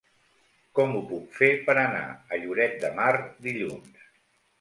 Com ho puc fer per anar a Lloret de Mar dilluns?